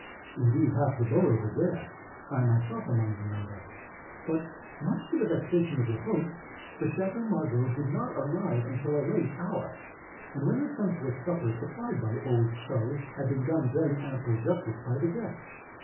Indeed, half the borough was there,—I myself among the number,—but, much to the vexation of the host, the Chateau Margaux did not arrive until a late hour, and when the sumptuous supper supplied by "Old Charley" had been done very ample justice by the guests.